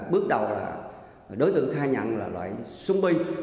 bước đầu là đối tượng khai nhận là loại súng bi